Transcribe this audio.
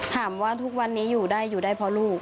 ถามว่าทุกวันนี้อยู่ได้อยู่ได้เพราะลูก